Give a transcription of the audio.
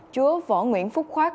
chúa võ nguyễn phúc khoác